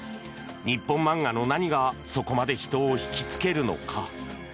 日本漫画の何がそこまで人を引きつけるのか。